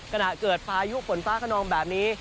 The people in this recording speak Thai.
ขณะเกิดพายุฝนฟ้าขนองแบบนี้